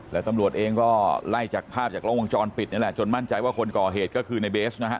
แล้วตำรวจเองก็ไล่จากภาพจากล้องวงจรปิดนี่แหละจนมั่นใจว่าคนก่อเหตุก็คือในเบสนะฮะ